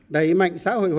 bảy đẩy mạnh xã hội hóa